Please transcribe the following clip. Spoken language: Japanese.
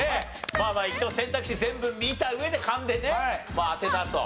まあまあ一応選択肢全部見た上で勘でねまあ当てたと。